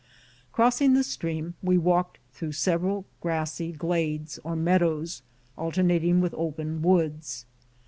Crossing the stream, we walked through several grassy glades, or meadows, alternating with open woods.